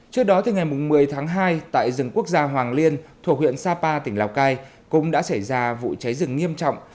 trước đó ngày một mươi tháng hai tại rừng quốc gia hoàng liên thuộc huyện sapa tỉnh lào cai cũng đã xảy ra vụ cháy rừng nghiêm trọng